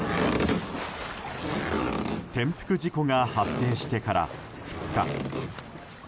転覆事故が発生してから２日。